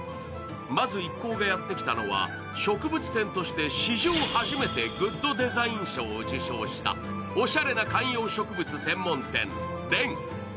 まず一行がやって来たのは植物店として史上初めてグッドデザイン賞を受賞したおしゃれな観葉植物専門店・ＲＥＮ。